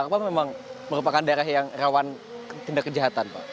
apa memang merupakan daerah yang rawan tindak kejahatan pak